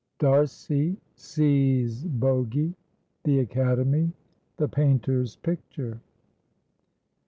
D'ARCY SEES BOGY.—THE ACADEMY.—THE PAINTER'S PICTURE.